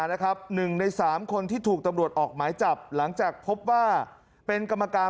หนึ่งในสามคนที่ถูกตำรวจออกหมายจับหลังจากพบว่าเป็นกรรมการ